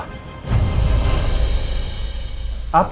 keisha adalah anaknya